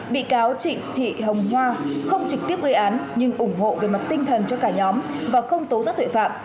bị cáo trịnh thị hồng hoa không trực tiếp gây án nhưng ủng hộ về mặt tinh thần cho cả nhóm và không tố giác tội phạm